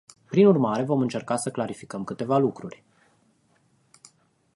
Prin urmare, vom încerca să clarificăm câteva lucruri.